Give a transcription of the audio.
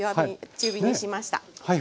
中火にしました。